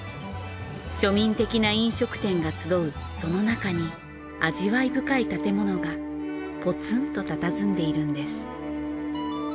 庶民的な飲食店が集うその中に味わい深い建物がポツンと佇んでいるんです。